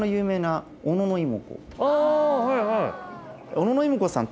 小野妹子さん